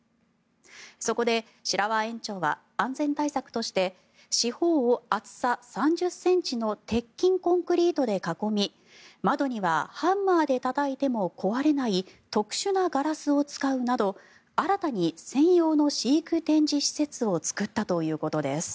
そこで白輪園長は安全対策として四方を厚さ３０ｃｍの鉄筋コンクリートで囲み窓にはハンマーでたたいても壊れない特殊なガラスを使うなど新たに専用の飼育展示施設を作ったということです。